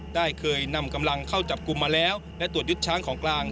ได้เคยนำกำลังเข้าจับกลุ่มมาแล้วและตรวจยึดช้างของกลาง